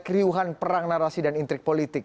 keriuhan perang narasi dan intrik politik